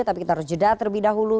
tapi kita harus jeda terlebih dahulu